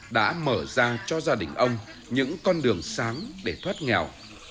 đã mở ra cho gia đình ông những con đường sáng để thoát nghèo